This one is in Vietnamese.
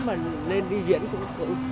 mà lên đi diễn cũng